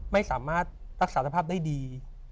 ไม่สามารถรักษาสภาพได้ดี